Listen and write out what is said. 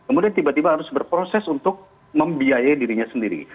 kemudian tiba tiba harus berproses untuk membiayai dirinya sendiri